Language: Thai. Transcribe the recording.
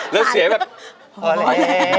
แล้วเสียแบบพอแล้ว